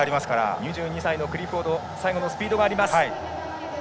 ２２歳のクリフォード最後のスピードがあります。